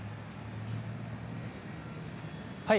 はい。